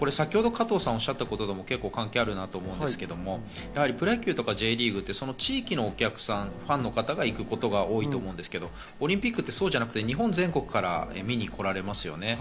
先ほど加藤さんがおっしゃったことと関係があると思いますけど、プロ野球とかＪリーグって地域のお客さん、ファンの方が行くことが多いと思うんですけど、オリンピックってそうじゃなくて、全国から見に来られますね。